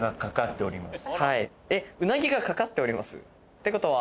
ってことは。